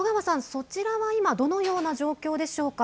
そちらは今どのような状況でしょうか。